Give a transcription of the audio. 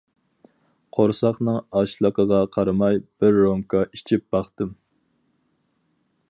قورساقنىڭ ئاچلىقىغا قارىماي بىر رومكا ئىچىپ باقتىم.